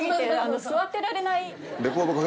座ってられない。